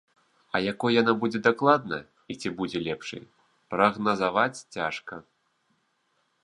А якой яна будзе дакладна, і ці будзе лепшай, прагназаваць цяжка.